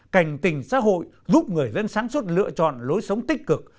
cảnh tình xã hội giúp người dân sáng suốt lựa chọn lối sống tích cực